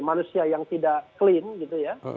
manusia yang tidak clean gitu ya